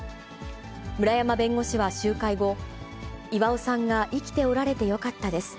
村山弁護士は集会後、巌さんが生きておられてよかったです。